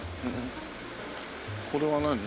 これは何？